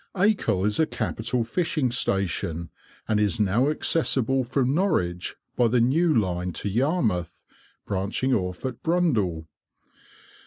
Acle is a capital fishing station, and is now accessible from Norwich by the new line to Yarmouth, branching off at Brundall.